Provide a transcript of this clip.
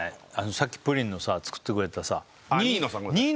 さっきプリンのさ作ってくれたさ